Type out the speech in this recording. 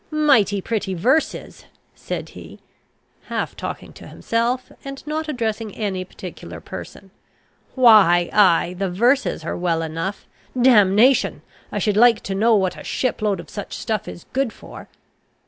"Mighty pretty verses!" said he, half talking to himself, and not addressing any particular person: "why, ay, the verses are well enough. Damnation! I should like to know what a ship load of such stuff is good for."